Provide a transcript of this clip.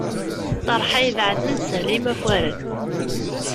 Ṭeṛḥa ibeɛden, teshel i yimakaren.